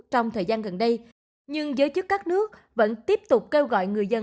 trong thời gian gần đây nhưng giới chức các nước vẫn tiếp tục kêu gọi người dân